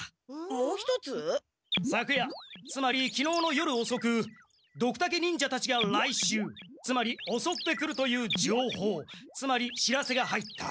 昨夜つまりきのうの夜おそくドクタケ忍者たちが来襲つまりおそってくるという情報つまり知らせが入った。